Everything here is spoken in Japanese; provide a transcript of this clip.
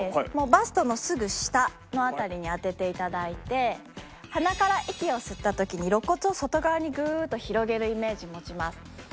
バストのすぐ下の辺りに当てて頂いて鼻から息を吸った時に肋骨を外側にグーッと広げるイメージ持ちます。